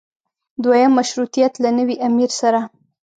دویم مشروطیت له نوي امیر سره.